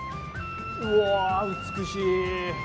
うわ、美しい。